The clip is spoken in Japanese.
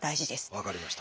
分かりました。